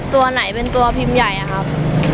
ตัวไหนเป็นตัวพิมพ์ใหญ่อะครับ